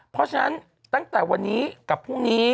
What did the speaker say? เพราะฉะนั้นตั้งแต่วันนี้กับพรุ่งนี้